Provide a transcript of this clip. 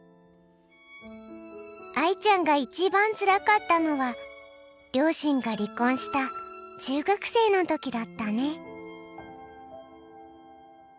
愛ちゃんが一番つらかったのは両親が離婚した中学生の時だったね。